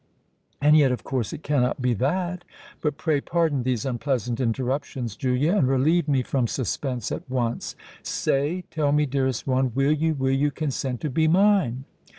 And yet of course it cannot be that. But pray, pardon these unpleasant interruptions, Julia; and relieve me from suspense at once. Say—tell me, dearest one—will you, will you consent to be mine?"